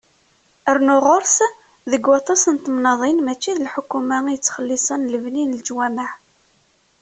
Rnu ɣer-s, deg waṭas n temnaḍin, mačči d lḥukuma i yettxellisen lebni n leǧwamaɛ.